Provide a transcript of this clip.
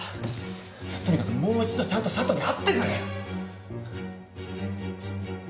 とにかくもう一度ちゃんと佐都に会ってくれ！